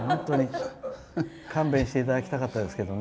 勘弁していただきたかったですけどね。